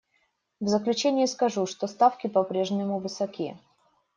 В заключение скажу, что ставки по-прежнему высоки.